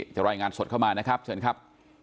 รายงานสดเข้ามานะครับเชิญครับ